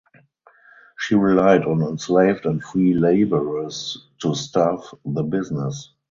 She relied on enslaved and free laborers to staff the business.